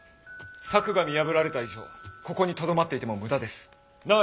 策が見破られた以上ここにとどまっていても無駄です。なあ？